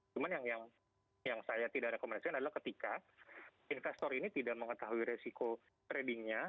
cuma yang saya tidak rekomendasikan adalah ketika investor ini tidak mengetahui resiko tradingnya